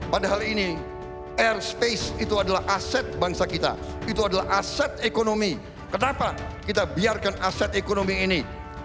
padahal ini air space itu adalah aset bangsa kita itu adalah aset ekonomi kenapa kita biarkan aset ekonomi ini